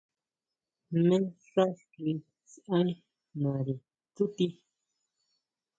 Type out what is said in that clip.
¿Jmé xá xi saʼen nari tsúti?